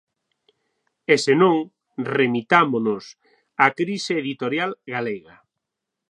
E senón remitámonos á crise editorial galega.